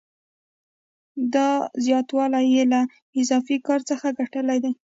دا زیاتوالی یې له اضافي کار څخه ګټلی دی